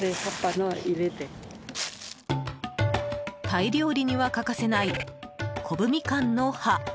タイ料理には欠かせないコブミカンの葉。